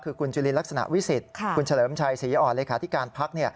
คือคุณจุลินลักษณะวิสิทธิ์คุณเฉลิมชัยศรีอ่อนเลขาธิการพัก